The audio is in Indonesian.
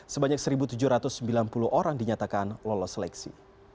sebanyak satu tujuh ratus sembilan puluh orang dinyatakan lolos seleksi